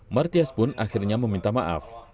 martias pun akhirnya meminta maaf